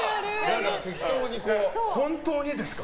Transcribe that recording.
本当にですか？